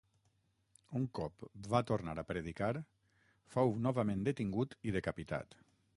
Un cop va tornar a predicar, fou novament detingut i decapitat.